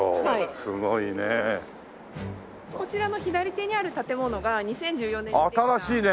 すごいね。こちらの左手にある建物が２０１４年にできた。